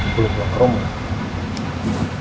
belum pulang ke rumah